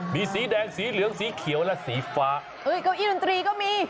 มีสีแดงสีเหลืองสีเขียวและสีฟ้าเก้าอี้ดนตรีก็มี